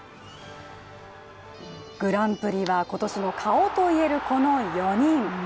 グランプリは、今年の顔といえるこの４人。